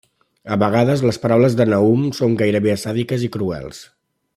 A vegades les paraules de Nahum són gairebé sàdiques i cruels.